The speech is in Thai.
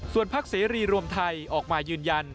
ส่วนพักเสรีรวมไทยออกมายืนยัน